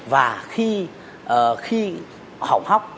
và khi hỏng hóc